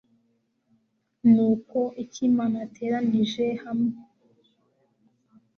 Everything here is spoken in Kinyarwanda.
nuko icyo imana yateranije hamwe